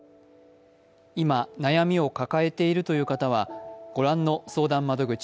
今、悩みを抱えているという方はご覧の相談窓口